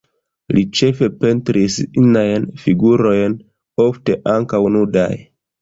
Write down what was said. Li ĉefe pentris inajn figurojn, ofte ankaŭ nudaj.